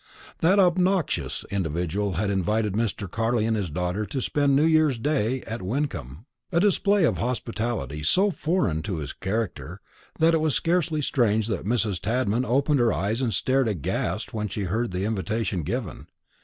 That obnoxious individual had invited Mr. Carley and his daughter to spend New year's day at Wyncomb; a display of hospitality so foreign to his character, that it was scarcely strange that Mrs. Tadman opened her eyes and stared aghast as she heard the invitation given.